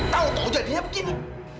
tahu tahu jadinya begini